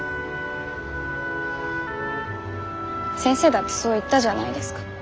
先生だってそう言ったじゃないですか。